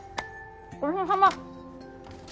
ごちそうさま！